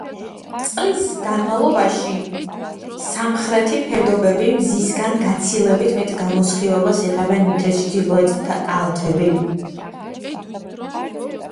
წყლის განმავლობაში სამხრეთი ფერდობები მზისგან გაცილებით მეტ გამოსხივებას იღებენ ვიდრე ჩრდილოეთ კალთები.